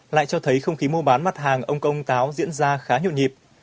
lại cho thấy không khí mua bán mặt hàng ông công táo diễn ra khá nhộn nhịp